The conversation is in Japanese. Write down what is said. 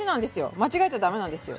間違えちゃ駄目なんですよ。